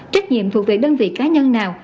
trách nhiệm thuộc về đơn vị cá nhân nào